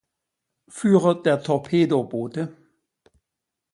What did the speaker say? Führer der Torpedoboote.